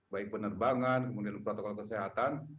baik penerbangan kemudian protokol kesehatan